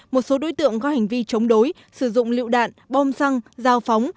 một số đối tượng có hành vi chống đối sử dụng lựu đạn bom xăng giao phóng